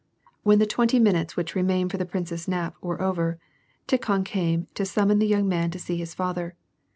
When the twenty minutes which remained for the prince's nap were over, Tikhon came to summon the young man to see his father.